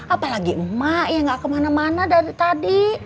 apalagi emak yang gak kemana mana dari tadi